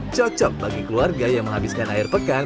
cocok bagi keluarga yang menghabiskan air pekan